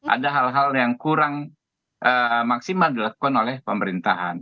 ada hal hal yang kurang maksimal dilakukan oleh pemerintahan